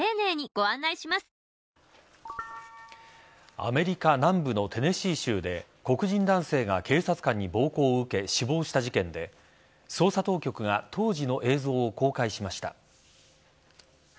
アメリカ南部のテネシー州で黒人男性が警察官に暴行を受け死亡した事件で捜査当局が当時の映像を公開しました。